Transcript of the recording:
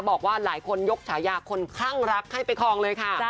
บอกว่าหลายคนยกฉายาคนคลั่งรักให้ไปคลองเลยค่ะ